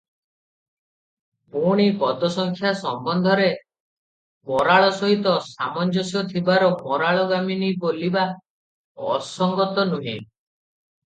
ପୁଣି ପଦସଂଖ୍ୟା ସମ୍ବନ୍ଧରେ ମରାଳ ସହିତ ସାମଞ୍ଜସ୍ୟ ଥିବାର ମରାଳଗାମିନୀ ବୋଲିବା ଅସଙ୍ଗତ ନୁହେଁ ।